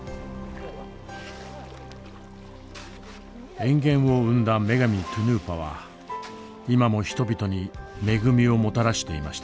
塩原を生んだ女神トゥヌーパは今も人々に恵みをもたらしていました。